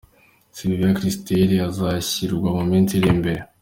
Sylvia Kristel azashyingurwa mu minsi iri imbere.